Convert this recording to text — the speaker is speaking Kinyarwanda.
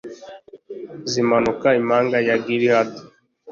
zimanuka imanga ya gilihadi